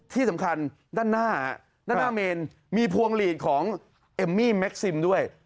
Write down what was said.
ที่สำคัญด้านหน้าด้านหน้าเมนมีพวงหลีดของเอมมี่แม็กซิมด้วย